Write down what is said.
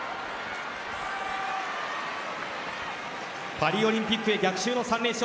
パリオリンピックへ逆襲の３連勝